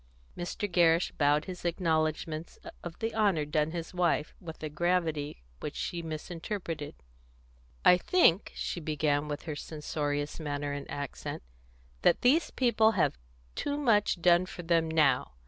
Mr. Gerrish bowed his acknowledgments of the honour done his wife, with a gravity which she misinterpreted. "I think," she began, with her censorious manner and accent, "that these people have too much done for them now.